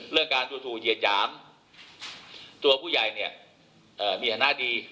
เรื่องการทูทูเยียดหยามตัวผู้ใหญ่เนี่ยอ่ามีธนาภาพดี